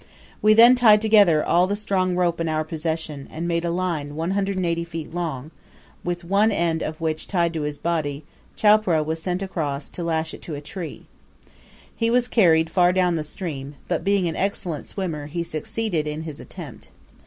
We then tied together all the strong rope in our possession, and made a line 180 feet long, with one end of which tied round his body, Chowpereh was sent across to lash it to a tree. He was carried far down the stream; but being an excellent swimmer, he succeeded in his attempt.